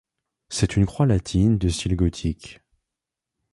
C'est une croix latine de style gothique.